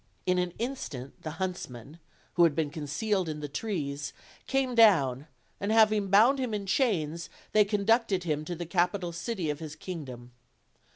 In an instant the huntsmen, who had been con cealed in the trees, came down, and having bound him in chains they conducted him to the capital city of his kingdom.